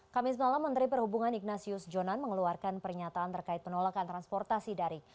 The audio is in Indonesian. kamis malam menteri perhubungan ignasius jonan mengeluarkan pernyataan terkait penolakan transportasi daring